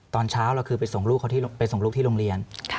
ตอนเช้าเราคือไปส่งลูกที่โรงเรียน